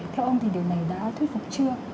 theo ông thì điều này đã thuyết phục chưa